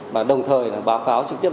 và đồng thời báo cáo trực tiếp